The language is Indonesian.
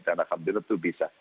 dan aku pikir itu bisa